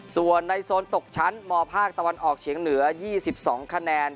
ส่วนในโซนตกชั้นมภาคตะวันออกเฉียงเหนือ๒๒คะแนน